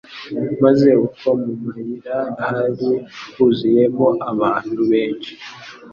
Maze kuko mu mayira hari huzuyemo abantu benshi,